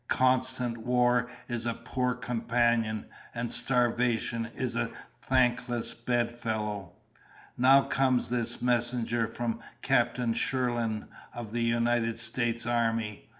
Constant war is a poor companion, and starvation is a thankless bedfellow. "Now comes this messenger from Captain Shirland, of the United States Army.